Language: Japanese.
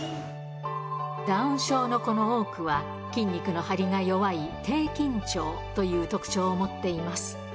ダウン症の子の多くは、筋肉の張りが弱い低緊張という特徴を持っています。